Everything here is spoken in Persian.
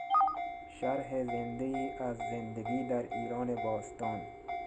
شرح زندهای از زندگی در ایران باستان